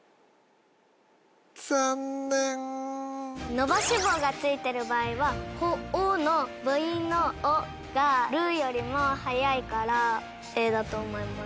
伸ばし棒が付いてる場合は「ホー」の母音の「お」が「る」よりも早いからＡだと思います。